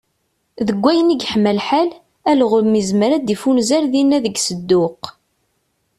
Deg wayen i yeḥma lḥal, alɣem izmer ad d-ifunzer dinna deg Sedduq.